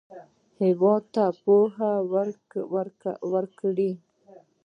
هېواد ته پوهه ورکړئ